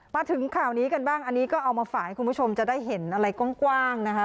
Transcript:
มาถึงข่าวนี้กันบ้างอันนี้ก็เอามาฝากให้คุณผู้ชมจะได้เห็นอะไรกว้างนะคะ